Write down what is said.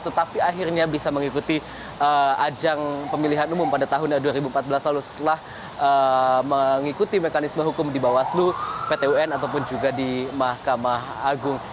tetapi akhirnya bisa mengikuti ajang pemilihan umum pada tahun dua ribu empat belas lalu setelah mengikuti mekanisme hukum di bawaslu pt un ataupun juga di mahkamah agung